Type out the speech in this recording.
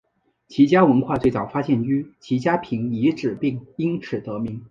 齐家文化最早发现于齐家坪遗址并因此得名。